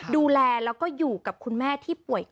ดูแลแล้วก็อยู่กับคุณแม่ที่ป่วย